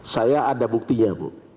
saya ada buktinya